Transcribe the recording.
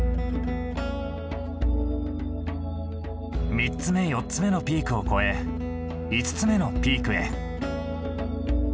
３つ目４つ目のピークを越え５つ目のピークへ。